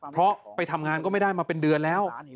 เพราะไปทำงานก็ไม่ได้มาเป็นเดือนแล้ว